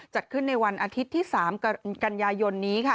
จัดขึ้นในวันอาทิตย์ที่๓กันยายนนี้ค่ะ